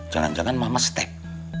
jangan jangan mama step